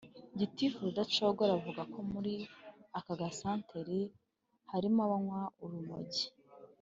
gitifu rudacogora avuga ko muri aka gasantere harimo abanywa urumogi